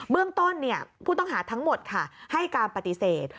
เรื่องต้นผู้ต้องหาทั้งหมดค่ะให้การปฏิเสธ